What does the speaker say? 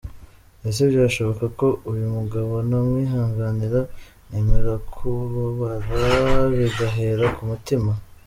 Ese byashoboka ko uyu mugabo namwihanganira nkemera kubabara bigahera ku mutima.